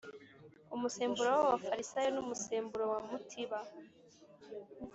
umusemburo w Abafarisayo n umusemburo wa mutiba